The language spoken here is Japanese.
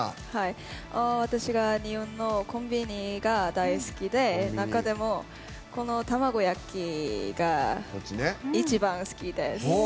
私が日本のコンビニが大好きで中でも、この卵焼きが一番好きです。